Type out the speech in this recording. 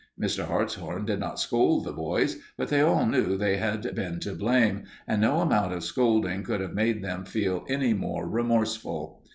Mr. Hartshorn did not scold the boys, but they all knew they had been to blame, and no amount of scolding could have made them feel any more remorseful.